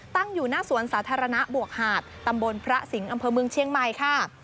ตั้งอยู่หน้าสวนสาธารณะบวกหาดตำบลพระสิงห์อำเภอเมืองเชียงใหม่ค่ะ